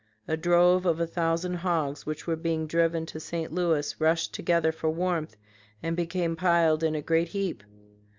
A drove of a thousand hogs, which were being driven to St. Louis, rushed together for warmth, and became piled in a great heap.